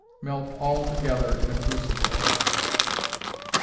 Melt all together in a crucible.